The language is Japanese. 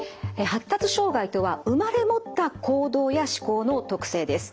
発達障害とは生まれ持った行動や思考の特性です。